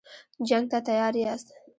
جنګ ته تیار یاست.